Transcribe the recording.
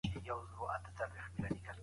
ډېر مالګين خواړه مه خوره